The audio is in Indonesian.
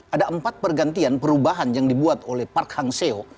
ada empat pergantian perubahan yang dibuat oleh park hang seo